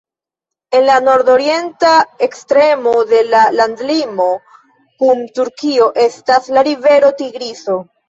En la nordorienta ekstremo de la landlimo kun Turkio estas la rivero Tigriso.